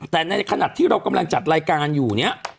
แต่ในขณะที่เรากำลังจัดรายการอยู่เนี่ย